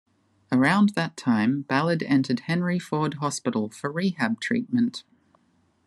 Around that time, Ballard entered Henry Ford Hospital for rehab treatment.